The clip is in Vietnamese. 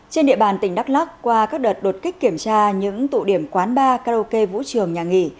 trên địa bàn tỉnh đắk lắc qua các đợt đột kích kiểm tra những tụ điểm quán bar karaoke vũ trường nhà nghỉ